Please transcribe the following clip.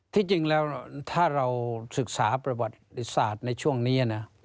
ที่จริงแล้วถ้าเราศึกษาประวัติศาสตร์ในช่วงนี้นะ